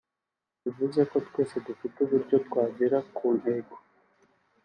Bivuze ko twese dufite uburyo twagera ku ntego